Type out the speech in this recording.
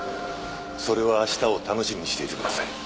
それは明日を楽しみにしていてください。